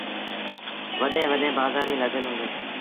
وڏيݩ وٚڏيݩ بآزآريٚݩ لڳل هُݩديٚݩ۔